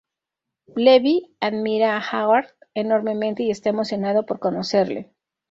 Levi admira a Haggard enormemente y está emocionado por conocerle.